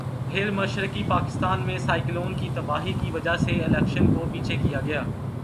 پھر مشرقی پاکستان میں سائیکلون کی تباہی کی وجہ سے الیکشن کو پیچھے کیا گیا۔